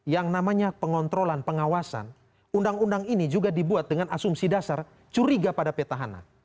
yang namanya pengontrolan pengawasan undang undang ini juga dibuat dengan asumsi dasar curiga pada petahana